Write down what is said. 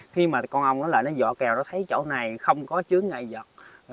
khi mà con ong nó dọ kèo nó thấy chỗ này không có chướng ngại vật